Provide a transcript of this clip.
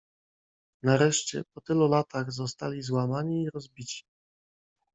"Nareszcie, po tylu latach, zostali złamani i rozbici."